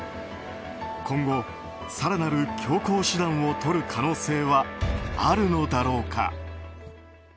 今後、更なる強硬手段をとる可能性はあるのだろうか。